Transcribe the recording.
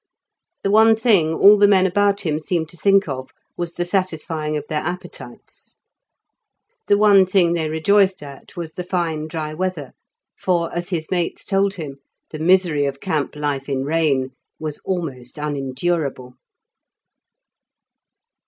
The one thing all the men about him seemed to think of was the satisfying of their appetites; the one thing they rejoiced at was the fine dry weather, for, as his mates told him, the misery of camp life in rain was almost unendurable.